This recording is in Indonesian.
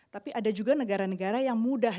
tapi ada juga negara negara yang mudah